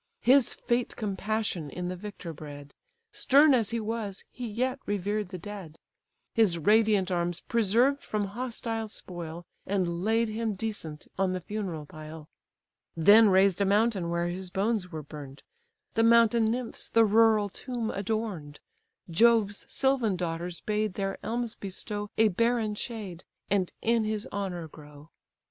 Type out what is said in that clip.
His fate compassion in the victor bred; Stern as he was, he yet revered the dead, His radiant arms preserved from hostile spoil, And laid him decent on the funeral pile; Then raised a mountain where his bones were burn'd, The mountain nymphs the rural tomb adorn'd, Jove's sylvan daughters bade their elms bestow A barren shade, and in his honour grow.